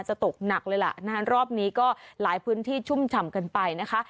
ตกหนักเลยล่ะนะคะรอบนี้ก็หลายพื้นที่ชุ่มฉ่ำกันไปนะคะ